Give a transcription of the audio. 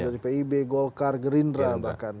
dari pib golkar gerindra bahkan